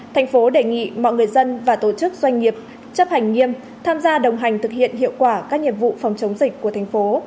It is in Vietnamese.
thành phố đề nghị mọi người dân và tổ chức doanh nghiệp chấp hành nghiêm tham gia đồng hành thực hiện hiệu quả các nhiệm vụ phòng chống dịch của thành phố